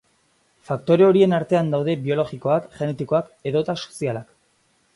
Faktore horien artean daude biologikoak, genetikoak edota sozialak.